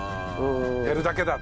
やるだけだ！